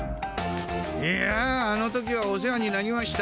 いやあの時はお世話になりました。